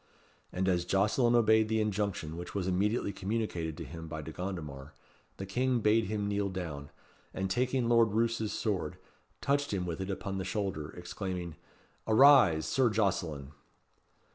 And as Jocelyn obeyed the injunction which was immediately communicated to him by De Gondomar, the King bade him kneel down, and taking Lord Roos's sword, touched him with it upon the shoulder, exclaiming, "Arise! Sir Jocelyn."